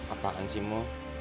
apaan sih mo